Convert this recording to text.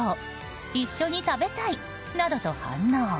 一緒に食べたい！と反応。